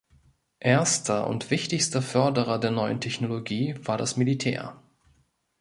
Erster und wichtigster Förderer der neuen Technologie war das Militär.